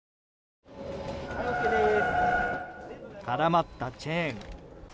絡まったチェーン。